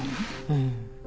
うん。